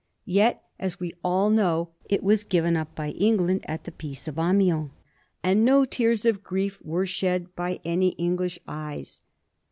Yet, as we all know, it was given up by England at the Peace of Amiens, and no tears of grief were shed by any English eyes.